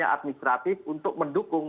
administratif untuk mendukung